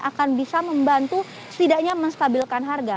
akan bisa membantu setidaknya menstabilkan harga